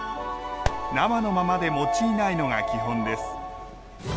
生のままで用いないのが基本です。